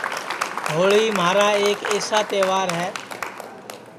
ہوݪی مھارا ایک ایسا تہوار ہے